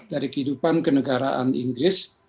dari kehidupan kenegaraan inggris